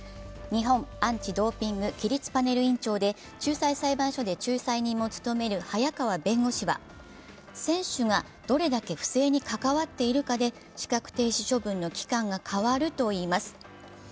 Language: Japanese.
日本アンチドーピング規律パネルの委員長で仲裁人も務める早川弁護士は選手がどれだけ不正に関わっているかで資格停止処分の期間が変わるといいます。